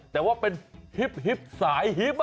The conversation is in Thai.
แต่ว่าเป็นฮิปสายฮิป